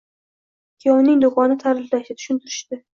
Kuyovning do'konini ta'riflashdi, tushuntirishdi.